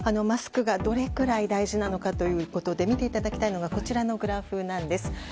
マスクがどれくらい大事なのかということで見ていただきたいのがこちらのグラフです。